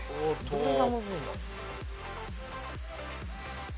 どれがむずいんだろう？